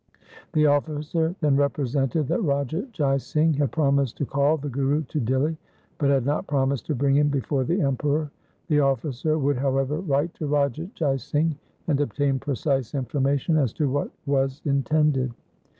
The officer then represented that Raja Jai Singh had promised to call the Guru to Dihli, but had not promised to bring him before the Emperor. The officer would, however, write to Raja Jai Singh, and obtain precise information as to what was in tended.